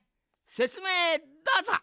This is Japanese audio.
せつめいどうぞ。